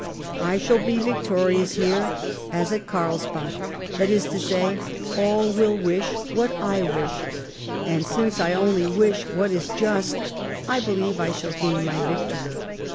I shall be victorious hero as at Carlsbad: that is to say, all will wish what I wish, and since I only wish what is just, I believe I shall g;dn my victoryk.